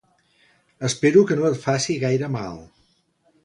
Espero que no et faci gaire mal?